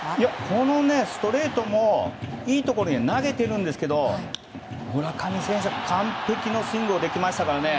このストレートもいいところには投げていますが村上選手、完璧なスイングができましたからね。